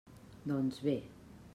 Doncs bé!